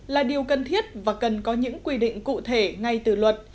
là điều cần thiết và cần có những quy định cụ thể ngay từ luật